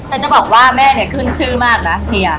แต่จะบอกว่าแม่เนี่ยขึ้นชื่อมากนะเฮีย